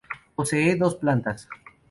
Posee dos plantas.